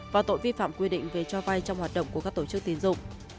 và tội vi phạm quy định về cho vay trong hoạt động của các tổ chức tiến dụng